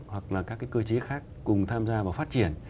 hoặc là các cái cơ chế khác cùng tham gia vào phát triển